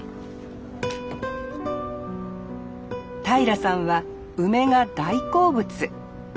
平さんは梅が大好物。